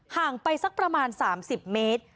ห่างไปสักประมาณ๓๐เมตร